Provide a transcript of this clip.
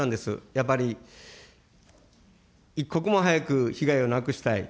やっぱり、一刻も早く被害をなくしたい。